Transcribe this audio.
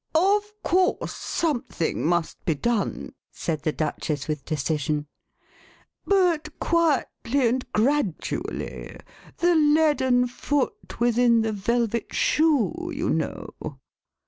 Of course something must be done," said the Duchess, with decision, but quietly and gradually — the leaden foot within the velvet shoe, you know."